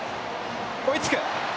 追いつく。